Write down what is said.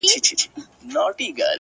ما څوځلي د لاس په زور کي يار مات کړی دی;